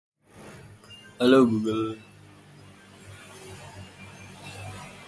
She had a successful career as an economist before entering the House of Lords.